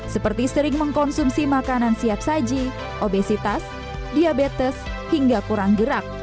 seperti sering mengkonsumsi makanan siap saji obesitas diabetes hingga kurang gerak